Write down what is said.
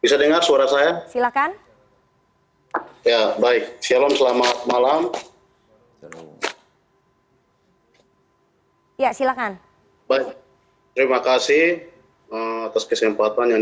shalom selamat malam untuk kita semua